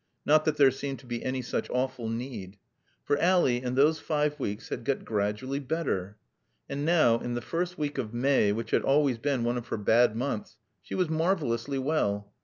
Not that there seemed to be any such awful need. For Ally, in those five weeks, had got gradually better. And now, in the first week of May, which had always been one of her bad months, she was marvelously well.